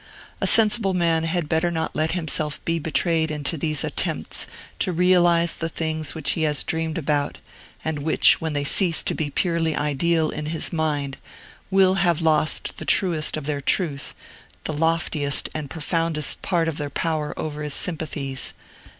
A sensible man had better not let himself be betrayed into these attempts to realize the things which he has dreamed about, and which, when they cease to be purely ideal in his mind, will have lost the truest of their truth, the loftiest and profoundest part of their power over his sympathies.